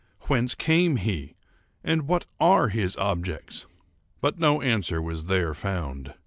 —whence came he?—and what are his objects?" But no answer was there found.